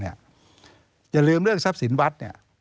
อย่าลืมเรื่องซับสินวัตร